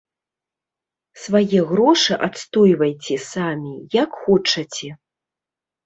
Свае грошы адстойвайце самі, як хочаце.